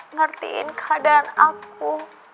ngertiin keadaan aku